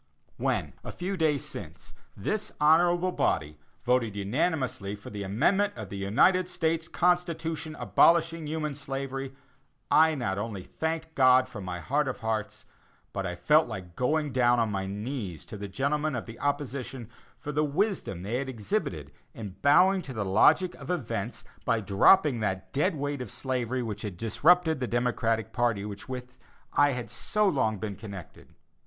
When, a few days since, this honorable body voted unanimously for the Amendment of the United States Constitution abolishing human slavery, I not only thanked God from my heart of hearts, but I felt like going down on my knees to the gentlemen of the opposition for the wisdom they had exhibited in bowing to the logic of events by dropping that dead weight of slavery which had disrupted the Democratic party, with which I had been so long connected.